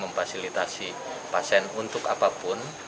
memfasilitasi pasien untuk apapun